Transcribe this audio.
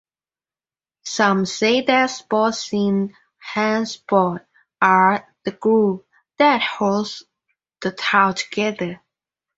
Some say that sports in Hantsport are "the glue" that holds the town together.